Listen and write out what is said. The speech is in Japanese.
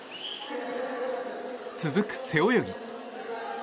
続く背泳ぎ。